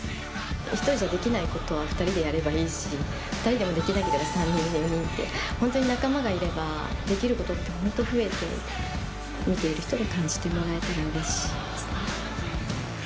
１人でできないことは２人でやればいいし２人でもできないことは３人って本当に仲間がいればできることって本当に増えて、見ている人に感じてもらえたらうれしいですね。